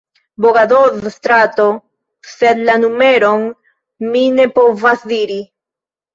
Bogadoz-strato, sed la numeron mi ne povas diri.